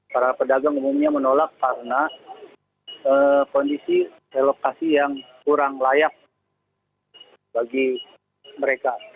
para pedagang umumnya menolak karena kondisi lokasi yang kurang layak bagi mereka